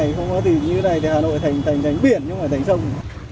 trong mùa mưa lũ như thế này thì hà nội thành thành biển nhưng mà thành sông